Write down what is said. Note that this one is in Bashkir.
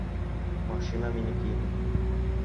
Машина минеке ине!